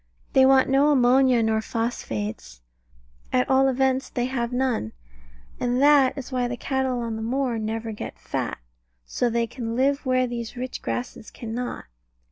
They want no ammonia nor phosphates at all events they have none, and that is why the cattle on the moor never get fat. So they can live where these rich grasses cannot.